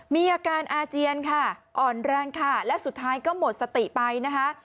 มีอาการอาเจียนค่ะอ่อนแรงค่ะและสุดท้ายก็หมดสติไปนะคะ